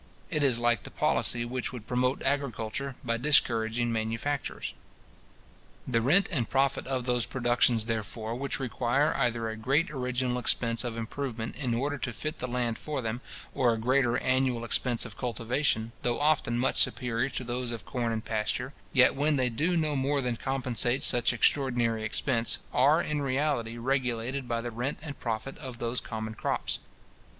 It is like the policy which would promote agriculture, by discouraging manufactures. The rent and profit of those productions, therefore, which require either a greater original expense of improvement in order to fit the land for them, or a greater annual expense of cultivation, though often much superior to those of corn and pasture, yet when they do no more than compensate such extraordinary expense, are in reality regulated by the rent and profit of those common crops.